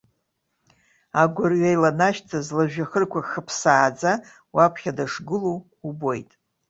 Агәырҩа иланашьҭыз лыжәҩахырқәа хьԥсааӡа, уаԥхьа дышгылоу убоит.